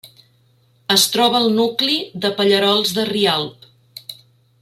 Es troba al nucli de Pallerols de Rialb.